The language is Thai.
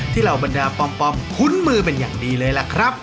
เหล่าบรรดาปอมคุ้นมือเป็นอย่างดีเลยล่ะครับ